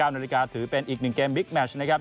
นาฬิกาถือเป็นอีก๑เกมบิ๊กแมชนะครับ